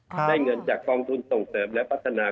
ได้เงินจากกองทุนส่งเสริมและพัฒนา